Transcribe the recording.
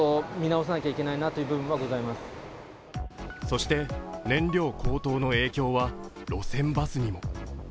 そして燃料高騰の影響は路線バスにも。